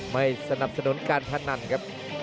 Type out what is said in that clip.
ไม่สนับสนุนการพนันครับ